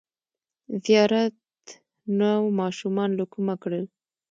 ـ زیارت نوماشومان له کومه کړل!